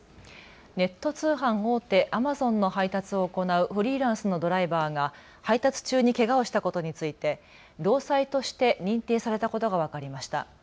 ネット通販大手、アマゾンの配達を行うフリーランスのドライバーが配達中にけがをしたことについて労災として認定されたことが分かりました。